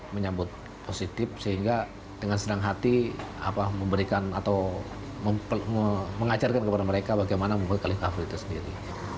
menyambut positif sehingga dengan senang hati memberikan atau mengajarkan kepada mereka bagaimana membuat kalicover itu sendiri